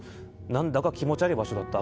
何だか気持ち悪い場所だった。